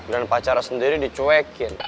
dan pacara sendiri dicuekin